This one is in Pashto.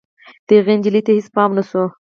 د هغه نجلۍ ته هېڅ پام نه شو.